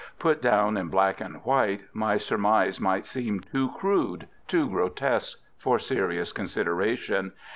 Put down in black and white, my surmise might seem too crude, too grotesque, for serious consideration.